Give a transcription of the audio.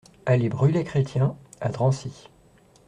Allée Bruley-Chrétien à Drancy